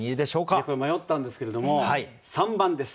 迷ったんですけれども３番です。